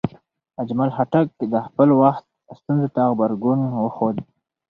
اجمل خټک د خپل وخت ستونزو ته غبرګون وښود.